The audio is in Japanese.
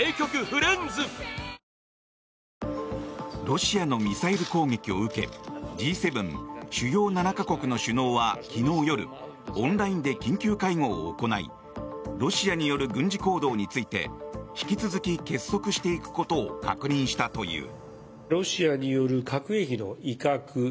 ロシアのミサイル攻撃を受けＧ７・主要７か国の首脳は昨日夜オンラインで緊急会合を行いロシアによる軍事行動について引き続き結束していくことを確認したという。